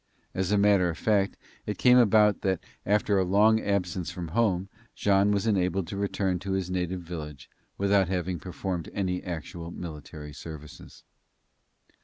As a matter of fact it came about that after a long absence from home, Jean was enabled to return to his native village without having performed any actual military services.